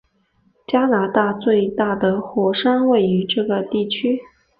加拿大最大的火山位于这个地区。